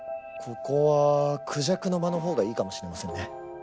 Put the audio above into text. ここは孔雀の間のほうがいいかもしれませんね。